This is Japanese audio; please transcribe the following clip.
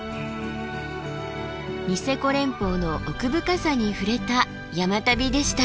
ニセコ連峰の奥深さに触れた山旅でした。